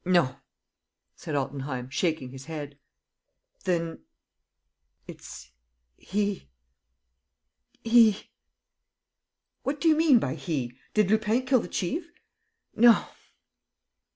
"No," said Altenheim, shaking his head. "Then ...?" "It's he ... he ..." "What do you mean by 'he'? ... Did Lupin kill the chief?" "No.